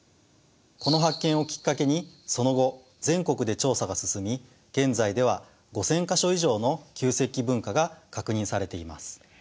この発見をきっかけにその後全国で調査が進み現在では５，０００か所以上の旧石器文化が確認されています。